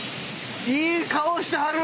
いい顔してはる！